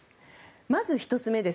まず１つ目です。